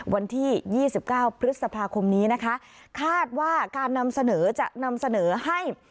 วันที่๒๙พฤษภาคมนี้นะคะคาดว่าการนำเสนอจะนำเสนอให้